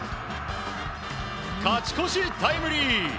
勝ち越しタイムリー！